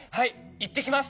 いってきます！